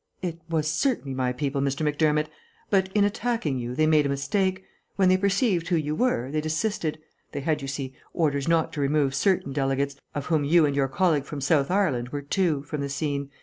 "It was certainly my people, Mr. Macdermott. But, in attacking you, they made a mistake. When they perceived who you were, they desisted. They had, you see, orders not to remove certain delegates, of whom you and your colleague from South Ireland were two, from the scene.